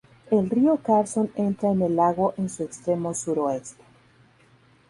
El río Carson entra en el lago en su extremo suroeste.